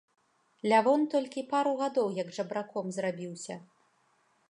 Лявон толькі пару гадоў як жабраком зрабіўся.